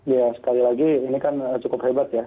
ya sekali lagi ini kan cukup hebat ya